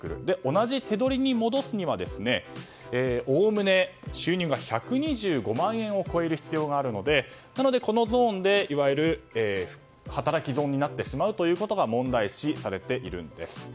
同じ手取りに戻すにはおおむね、収入が１２５万円を超える必要があるのでこのゾーンでいわゆる働き損になってしまうことが問題視されているんです。